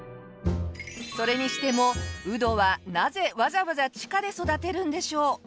それにしてもうどはなぜわざわざ地下で育てるんでしょう？